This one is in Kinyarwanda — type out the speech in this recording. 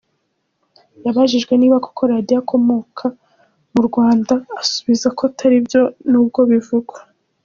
Yabajijwe niba koko Radio akomoka mu Rwanda asubiza ko atari byo nubwo bivugwa.